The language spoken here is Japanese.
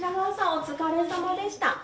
お疲れさまでした。